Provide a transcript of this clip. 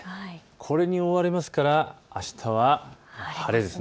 これに覆われますからあしたは晴れです。